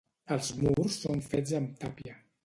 Els murs són fets amb tàpia.